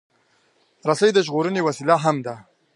رسۍ د ژغورنې وسیله هم ده.